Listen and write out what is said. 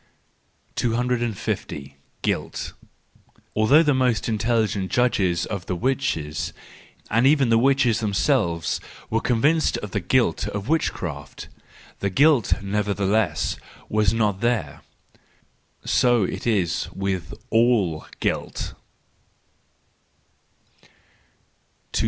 250. Guilt .—Although the most intelligent judges of the witches, and even the witches themselves, were convinced of the guilt of witchcraft, the guilt, nevertheless, was not there. So it is with all guilt.